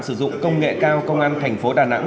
sử dụng công nghệ cao công an thành phố đà nẵng